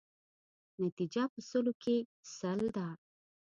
نتیجه په سلو کې سل ده.